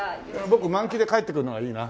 僕満期で返ってくるのがいいな。